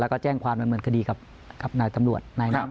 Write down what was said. แล้วก็แจ้งความบรรเมินคดีกับนายตำรวจ